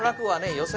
寄席